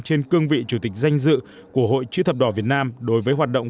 trên cương vị chủ tịch danh dự của hội chữ thập đỏ việt nam đối với hoạt động